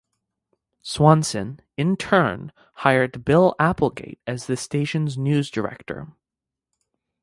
Swanson, in turn, hired Bill Applegate as the station's news director.